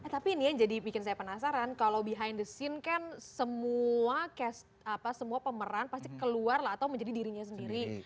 tapi ini yang jadi bikin saya penasaran kalau behind the scene kan semua cash apa semua pemeran pasti keluar lah atau menjadi dirinya sendiri